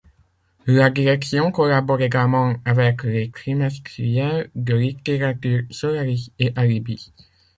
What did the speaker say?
La direction collabore également avec les trimestriels de littérature Solaris et Alibis.